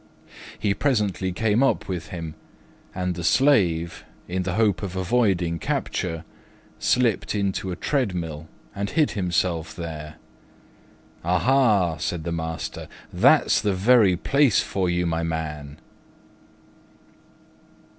He presently came up with him, and the Slave, in the hope of avoiding capture, slipped into a treadmill and hid himself there. "Aha," said his master, "that's the very place for you, my man!"